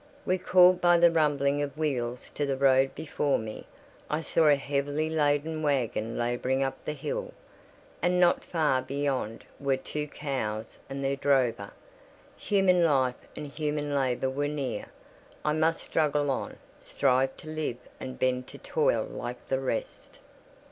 Recalled by the rumbling of wheels to the road before me, I saw a heavily laden waggon labouring up the hill, and not far beyond were two cows and their drover. Human life and human labour were near. I must struggle on: strive to live and bend to toil like the rest.